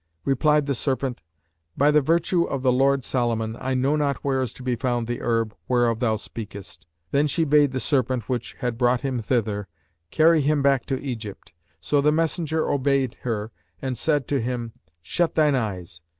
Replied the serpent, 'By the virtue of the lord Solomon, I know not where is to be found the herb whereof thou speakest.' Then she bade the serpent which had brought him thither, carry him back to Egypt: so the messenger obeyed her and said to him, 'Shut thine eyes!'